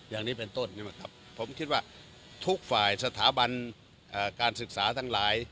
อย่างนี้เป็นต้นนี่แหละครับผมคิดว่าทุกฝ่ายสถาบันการศึกษาทั้งหลาย